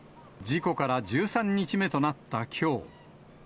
事故から１３日目となったき